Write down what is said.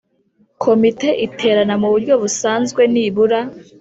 Komite iterana mu buryo busanzwe nibura